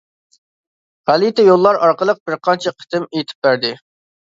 غەلىتە يوللار ئارقىلىق بىر قانچە قېتىم ئېيتىپ بەردى.